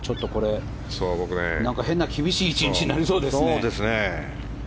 何か、変な厳しい１日になりそうですね。